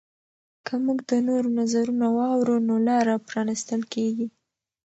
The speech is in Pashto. که موږ د نورو نظرونه واورو نو لاره پرانیستل کیږي.